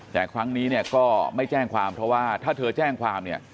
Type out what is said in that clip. แต่ครั้งนี้ก็ไม่แจ้งความเพราะว่าถ้าเธอแจ้งความ